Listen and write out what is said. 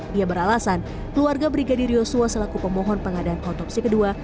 dia beralasan keluarga brigadir yosua selaku pemohon pengadaan otopsi kedua